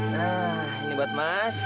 nah ini buat mas